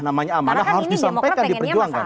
namanya amanah harus disampaikan diperjuangkan